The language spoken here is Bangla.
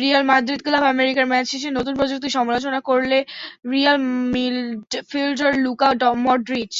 রিয়াল মাদ্রিদ-ক্লাব আমেরিকা ম্যাচ শেষে নতুন প্রযুক্তির সমালোচনা করেন রিয়াল মিডফিল্ডার লুকা মডরিচ।